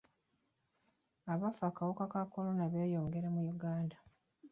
Abafa akawuka ka kolona beeyongera mu Uganda.